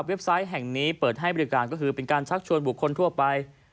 ไซต์แห่งนี้เปิดให้บริการก็คือเป็นการชักชวนบุคคลทั่วไป